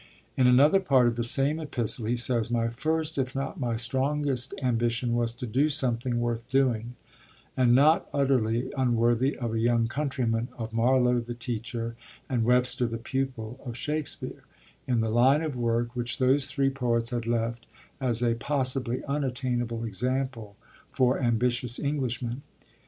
In another part of the same epistle, he says: 'My first if not my strongest ambition was to do something worth doing, and not utterly unworthy of a young countryman of Marlowe the teacher and Webster the pupil of Shakespeare, in the line of work which those three poets had left as a possibly unattainable example for ambitious Englishmen.